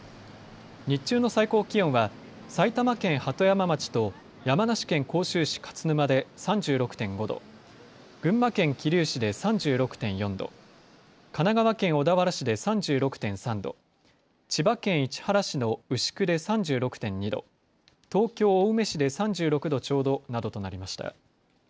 日中の最高気温は埼玉県鳩山町と山梨県甲州市勝沼で３６．５度、群馬県桐生市で３６．４度、神奈川県小田原市で３６．３度、千葉県市原市の牛久で３６．２度、東京青梅市で３６度ちょうどなどとなりました。